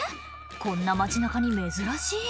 こんな街中に珍しい」